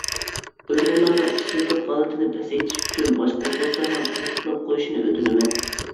ئۇيغۇرلارنىڭ ئىشسىزلىق ھالىتىنى پەسەيتىش ئۈچۈن، باشقۇرغۇچىلارنىڭ تەستىقلاپ قويۇشىنى ئۆتۈنىمەن!